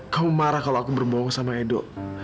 kamu marah kalau aku berbohong sama edo